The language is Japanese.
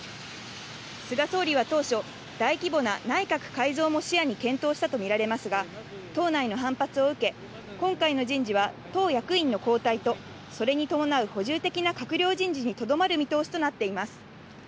菅総理は当初、大規模な内閣改造も視野に検討したとみられますが、党内の反発を受け、今回の人事は党役員の交代とそれに伴う補充的な閣僚人事にとどまる見通しとなっています。